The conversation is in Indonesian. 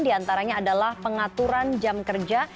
diantaranya adalah pengaturan jam kerja